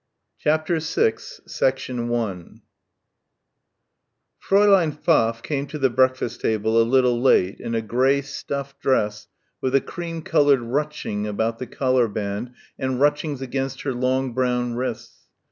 CHAPTER VI 1 Fräulein Pfaff came to the breakfast table a little late in a grey stuff dress with a cream coloured ruching about the collar band and ruchings against her long brown wrists.